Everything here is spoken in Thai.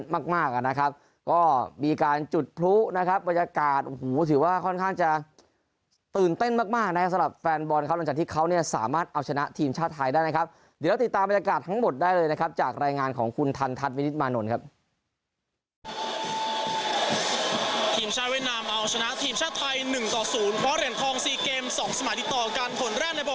มากมากนะครับก็มีการจุดพลุนะครับบรรยากาศโอ้โหถือว่าค่อนข้างจะตื่นเต้นมากมากนะครับสำหรับแฟนบอลครับหลังจากที่เขาเนี่ยสามารถเอาชนะทีมชาติไทยได้นะครับเดี๋ยวเราติดตามบรรยากาศทั้งหมดได้เลยนะครับจากรายงานของคุณทันทัศน์วินิตมานนท์ครับ